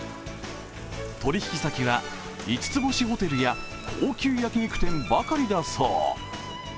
取引先は、五つ星ホテルや、高級焼き肉店ばかりだそう。